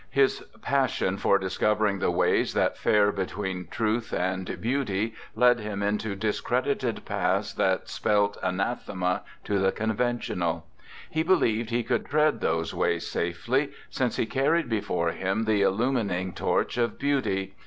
His passion for discovering the ways that fare between Truth and Beauty led him into discredited paths that spelt anathema to the conventional; he believed he could tread those ways safely, since he carried before him the illumining torch of Beauty.